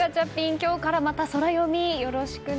今日からまた、ソラよみよろしくね。